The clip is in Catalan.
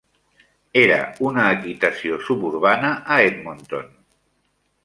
Era una equitació suburbana a Edmonton.